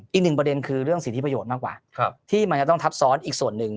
อีกหนึ่งประเด็นคือเรื่องสิทธิประโยชน์มากกว่าที่มันจะต้องทับซ้อนอีกส่วนหนึ่ง